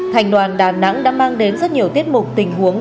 thành đoàn đà nẵng đã mang đến rất nhiều tiết mục tình huống